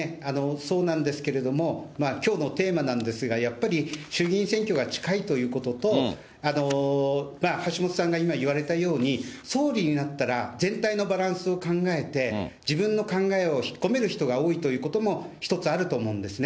そうなんですけれども、きょうのテーマなんですが、やっぱり衆議院選挙が近いということと、橋下さんが今言われたように、総理になったら全体のバランスを考えて、自分の考えを引っ込める人が多いということも、一つあると思うんですね。